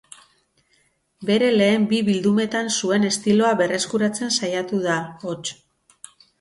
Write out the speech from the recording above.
Bere lehen bi bildumetan zuen estiloa berreskuratzen saiatu da, hots.